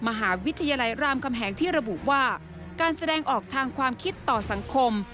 มหาวิทยาลัยรามคำแหงที่ระบุว่าการแสดงออกทางความคิดต่อสังคม